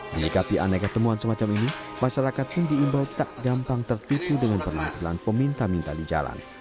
menikapi aneh ketemuan semacam ini masyarakat pun diimbau tak gampang tertipu dengan perlantulan peminta minta di jalan